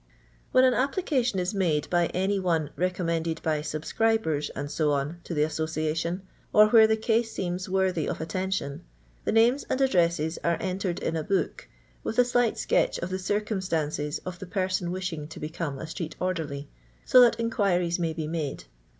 When an application is made by any one re commended by subscribers, &c., to the Association, or where the case seems worthy of attention, the names and addresses are entered in a book, with a slight sketch of the circumstances of the person wishing to become a street orderly, so that inquuries may be made.